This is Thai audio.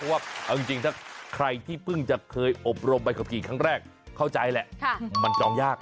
ว่าเอาจริงถ้าใครที่เพิ่งจะเคยอบรมใบขับขี่ครั้งแรกเข้าใจแหละมันจองยาก